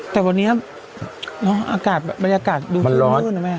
แต่วันนี้อากาศดูที่มืดนะแม่